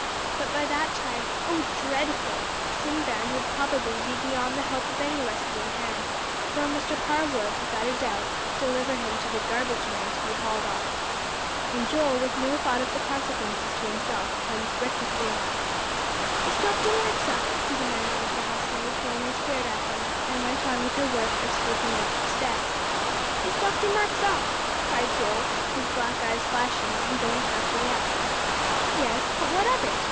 But by that time oh, dreadful! Sinbad would probably be beyond the help of any rescuing hand, for Mr. Parr would, without a doubt, deliver him to the garbage man to be hauled off. And Joel, with no thought of consequences to himself, plunged recklessly on. "Is Dr. Marks up?" he demanded of the housemaid, who only stared at him, and went on with her work of sweeping off the steps. "Is Dr. Marks up?" cried Joel, his black eyes flashing, and going halfway up. "Yes; but what of it?"